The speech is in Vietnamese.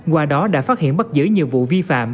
qua đó đã phát hiện bắt giữ nhiều vụ vi phạm